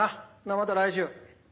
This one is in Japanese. また来週。